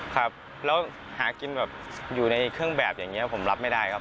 ครับแล้วหากินแบบอยู่ในเครื่องแบบอย่างนี้ผมรับไม่ได้ครับ